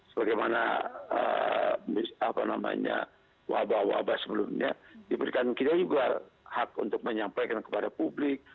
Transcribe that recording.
sebagaimana wabah wabah sebelumnya diberikan kita juga hak untuk menyampaikan kepada publik